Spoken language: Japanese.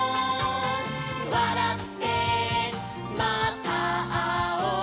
「わらってまたあおう」